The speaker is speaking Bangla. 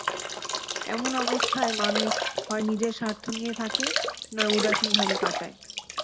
এমন অবস্থায় মানুষ, হয় নিজের স্বার্থ নিয়েই থাকে নয় উদাসীনভাবে কাটায়।